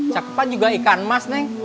cakep juga ikan emas neng